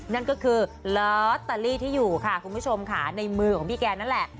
นั่นก็คือลอตเตอรี่ที่อยู่ค่ะคุณผู้ชมค่ะในมือของพี่แกนั่นแหละ